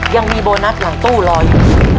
ยังมีโบนัสหลังตู้รออยู่